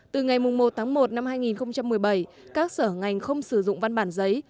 từ ngày một một hai nghìn một mươi bảy các sở ngành không sử dụng văn bản giấy